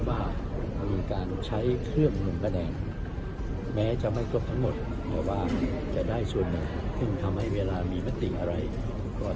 ผมยังเชียร์กับกฎหมายครับกฎหมายที่นี่กฎหมายมันอยากจะไว้อย่างนั้น